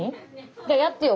じゃあやってよ